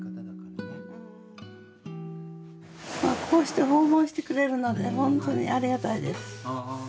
こうして訪問してくれるので本当にありがたいです。